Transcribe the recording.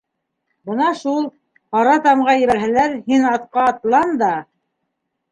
Бына шул, ҡара тамға ебәрһәләр, һин атҡа атлан да...